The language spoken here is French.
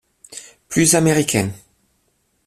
Plus américain.